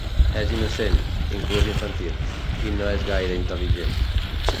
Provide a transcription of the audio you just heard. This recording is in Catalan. És innocent, inclús infantil, i no és gaire intel·ligent.